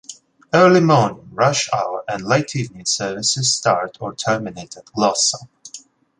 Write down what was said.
Early morning, rush hour and late evening services start or terminate at Glossop.